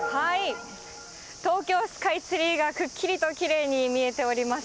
東京スカイツリーがくっきりときれいに見えております。